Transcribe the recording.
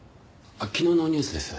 昨日のニュースです。